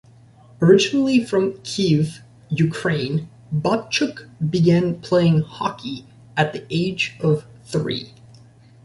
Originally from Kiev, Ukraine, Babchuk began playing hockey at the age of three.